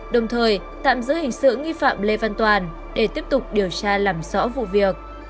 đồng thời tạm giữ hình sự nghi phạm lê văn toàn để tiếp tục điều tra làm rõ vụ việc